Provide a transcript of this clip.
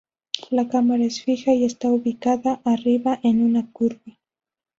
La cámara es fija y está ubicada arriba, en una curva.